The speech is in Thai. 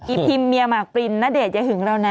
พิมพ์เมียหมากปรินณเดชนอย่าหึงเรานะ